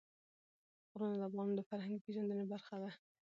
غرونه د افغانانو د فرهنګي پیژندنې برخه ده.